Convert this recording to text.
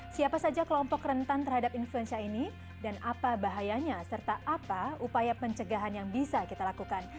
siapa saja kelompok rentan terhadap influenza ini dan apa bahayanya serta apa upaya pencegahan yang bisa kita lakukan